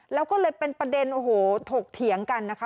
แล้วก็เลยเป็นประเด็นโอ้โหถกเถียงกันนะคะ